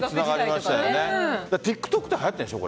ＴｉｋＴｏｋではやってるんでしょ？